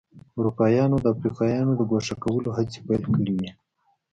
اروپایانو د افریقایانو د ګوښه کولو هڅې پیل کړې وې.